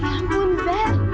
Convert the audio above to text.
ya ampun za